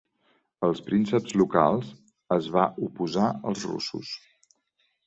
Els prínceps locals es va oposar als russos.